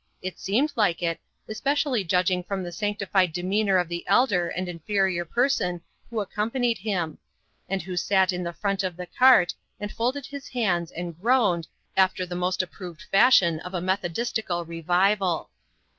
It seemed like it, especially judging from the sanctified demeanour of the elder and inferior person who accompanied him; and who sat in the front of the cart, and folded his hands and groaned, after the most approved fashion of a methodistical "revival."